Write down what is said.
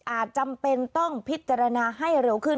จำเป็นต้องพิจารณาให้เร็วขึ้น